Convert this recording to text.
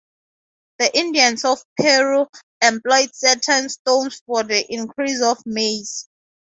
The Indians of Peru employed certain stones for the increase of maize.